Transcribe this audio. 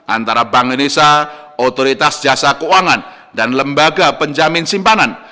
antara bank indonesia otoritas jasa keuangan dan lembaga penjamin simpanan